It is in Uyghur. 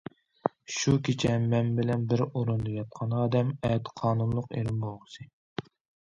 شۇ كېچە مەن بىلەن بىر ئورۇندا ياتقان ئادەم ئەتە قانۇنلۇق ئېرىم بولغۇسى.